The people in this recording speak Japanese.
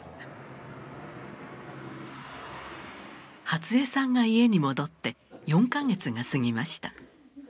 初江さんが家に戻って４か月が過ぎました。